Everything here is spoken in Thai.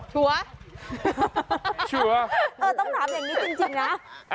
ชัวร์ชัวร์ต้องถามอย่างนี้จริงนะ